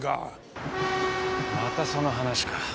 またその話か。